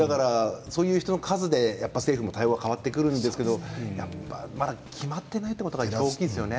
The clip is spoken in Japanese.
そういう人の数で政府も対応が変わってくるんですけどまだ決まっていないということが多いですよね。